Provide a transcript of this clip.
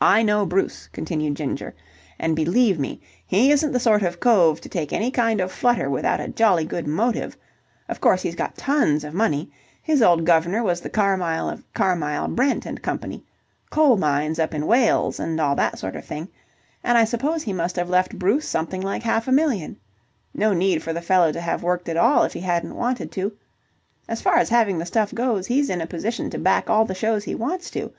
"I know Bruce," continued Ginger, "and, believe me, he isn't the sort of cove to take any kind of flutter without a jolly good motive. Of course, he's got tons of money. His old guvnor was the Carmyle of Carmyle, Brent & Co. coal mines up in Wales, and all that sort of thing and I suppose he must have left Bruce something like half a million. No need for the fellow to have worked at all, if he hadn't wanted to. As far as having the stuff goes, he's in a position to back all the shows he wants to.